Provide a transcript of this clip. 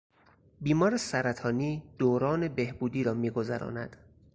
بیمار سرطانی دوران بهبودی را میگذراند.